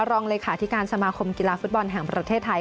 รองเลขาธิการสมาคมกีฬาฟุตบอลแห่งประเทศไทย